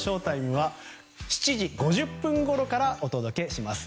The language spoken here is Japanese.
ＳＨＯ‐ＴＩＭＥが７時５０分ごろからお届けします。